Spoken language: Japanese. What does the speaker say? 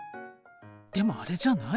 でもあれじゃない？